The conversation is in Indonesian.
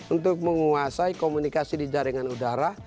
untuk menguasai komunikasi di jaringan udara